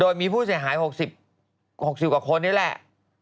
โดยมีผู้เสียหาย๖๐กว่าคนนี่แหละ